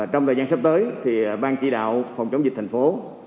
trong thời gian sắp tới thì ban chỉ đạo phòng chống dịch thành phố